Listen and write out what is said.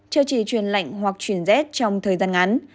chưa chỉ chuyển lạnh hoặc chuyển rét trong thời gian ngắn